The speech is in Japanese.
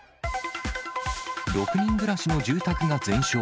６人暮らしの住宅が全焼。